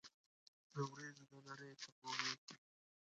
د اوریځو د نریو څپو غېږ کې